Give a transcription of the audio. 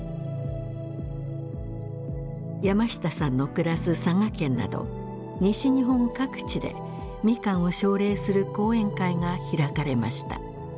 山下さんの暮らす佐賀県など西日本各地でミカンを奨励する講演会が開かれました。